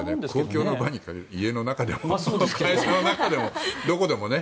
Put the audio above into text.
公共の場に限らず家の中でも会社の中でもどこでもね。